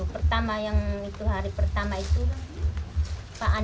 pertama yang itu hari pertama itu pak ani